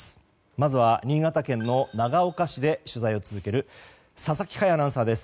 まずは新潟県の長岡市で取材を続ける佐々木快アナウンサーです。